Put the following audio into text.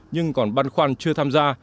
nhưng còn băn khoăn chưa tham gia